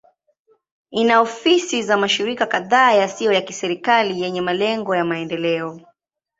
Ina ofisi za mashirika kadhaa yasiyo ya kiserikali yenye malengo ya maendeleo.